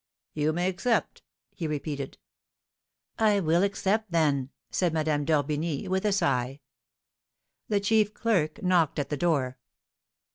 "You may accept," he repeated. "I will accept, then," said Madame d'Orbigny, with a sigh. The chief clerk knocked at the door.